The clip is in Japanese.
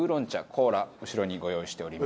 コーラ後ろにご用意しております。